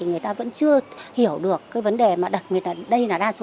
người ta vẫn chưa hiểu được vấn đề này là ra sổ